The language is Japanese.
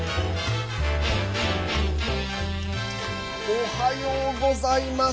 おはようございます。